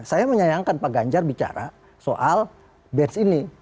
saya menyayangkan pak ganjar bicara soal bench ini